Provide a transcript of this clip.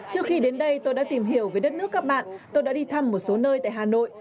trước khi đến đây tôi đã tìm hiểu về đất nước các bạn tôi đã đi thăm một số nơi tại hà nội